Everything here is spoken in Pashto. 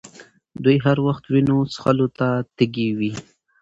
دوی هر وخت وینو څښلو ته تږي وي.